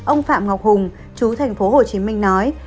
ông phạm ngọc hùng chú thành phố hồ chí minh nói